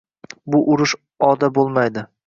Bu urush oda bo‘lmaydi